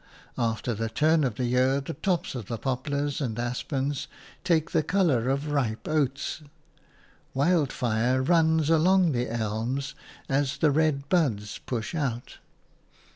After the turn of the year the tops of the poplars and aspens take the colour of ripe oats. Wildfire runs along the elms as the red buds push out.